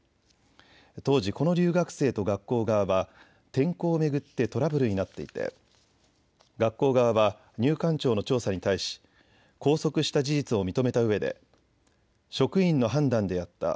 当時、この留学生と学校側は転校を巡ってトラブルになっていて学校側は入管庁の調査に対し拘束した事実を認めたうえで職員の判断でやった。